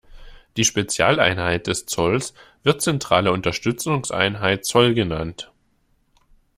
Die Spezialeinheit des Zolls wird Zentrale Unterstützungseinheit Zoll genannt.